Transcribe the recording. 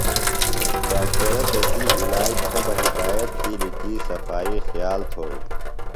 ڈاکٹرہ تسی عِلاج تھےۡ بہ ہدایت تِھیلیۡ کی صفائی خیال تھوئی۔